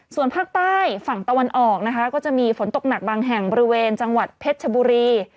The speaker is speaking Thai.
ส่วนภาคใต้ฝั่งตะวันออกนะคะก็จะมีฝนตกหนักบางแห่งบริเวณจังหวัดเพชรชบุรี